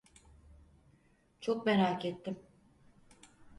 Çok merak ettim.